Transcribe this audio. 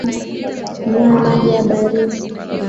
Nywa maji ya baridi